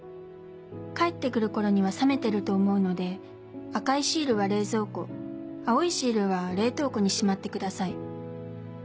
帰って来る頃には冷めてると思うので赤いシールは冷蔵庫青いシールは冷凍庫にしまってください。